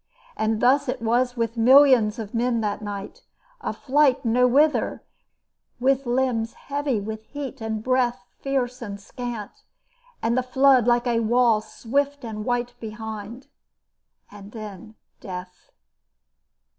And thus it was with millions of men that night a flight nowhither, with limbs heavy with heat and breath fierce and scant, and the flood like a wall swift and white behind. And then death.